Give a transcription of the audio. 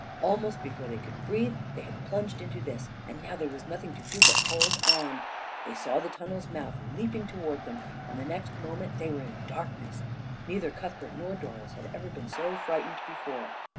Almost before they could breathe, they had plunged into this, and now there was nothing to do but to hold on. They saw the tunnel's mouth leaping toward them, and the next moment they were in darkness. Neither Cuthbert nor Doris had ever been so frightened before.